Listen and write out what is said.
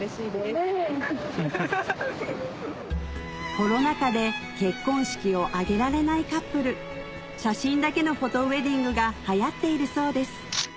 コロナ禍で結婚式を挙げられないカップル写真だけのフォトウエディングが流行っているそうです